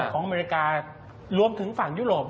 ของอเมริการวมถึงฝั่งยุโรปด้วย